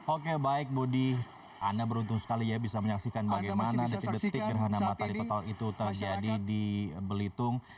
oke baik budi anda beruntung sekali ya bisa menyaksikan bagaimana detik detik gerhana matahari total itu terjadi di belitung